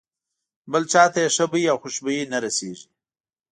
بل چاته یې ښه بوی او خوشبويي نه رسېږي.